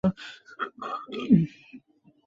কাণ্ডসহ উদ্ভিদের অন্যান্য অঙ্গের বহিরাবরণকে কী বলে?